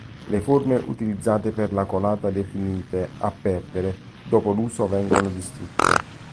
Le forme utilizzate per la colata definite "a perdere"; dopo l'uso vengono distrutte.